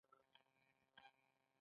د مرغاب سیند په بادغیس کې دی